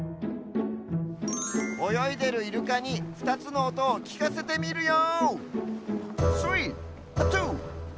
およいでるイルカに２つのおとをきかせてみるよ！